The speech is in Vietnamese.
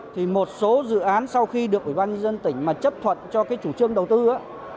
thì một số dự án sau khi được ủy ban nhân dân tỉnh mà chấp thuận cho cái chủ trương đầu tư